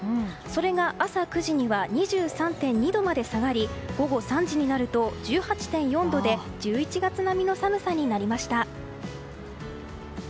それが朝９時には２３．２度まで下がり午後３時になると１８．４度で１１月並みの寒さになりました。